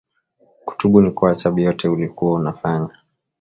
Kutubu ni kuacha byote ulikuwa na fanya